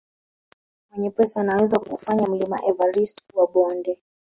Mwenye pesa anaweza kuufanya mlima everist kuwa bonde